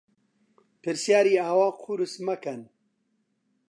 پرسیاری ئاوا قورس مەکەن.